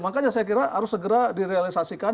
makanya saya kira harus segera direalisasikan